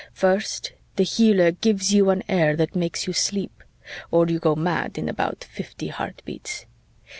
First the healer gives you an air that makes you sleep, or you go mad in about fifty heartbeats.